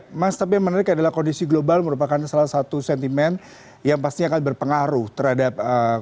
oke mas tapi yang menarik adalah kondisi global merupakan salah satu sentimen yang pasti akan berpengaruh terhadap